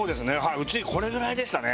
うちこれぐらいでしたね。